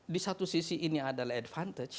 di satu sisi ini adalah advantage